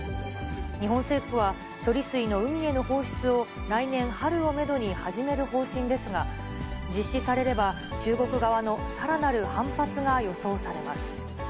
日本政府は、処理水の海への放出を来年春をメドに始める方針ですが、実施されれば、中国側のさらなる反発が予想されます。